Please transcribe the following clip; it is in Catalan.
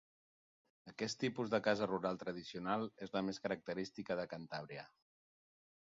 Aquest tipus de casa rural tradicional és la més característica de Cantàbria.